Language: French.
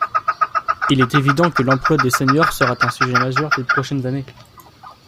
Il est évident que l’emploi des seniors sera un sujet majeur des prochaines années.